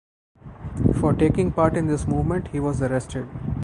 For taking part in this movement he was arrested.